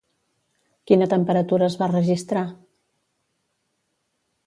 Quina temperatura es va registrar?